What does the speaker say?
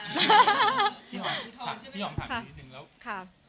ถามอีกนิดนึงแบบ